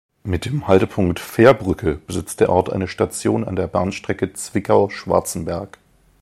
Mit dem Haltepunkt "Fährbrücke" besitzt der Ort eine Station an der Bahnstrecke Zwickau–Schwarzenberg.